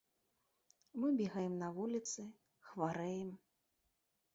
Мы бегаем на вуліцы, хварэем.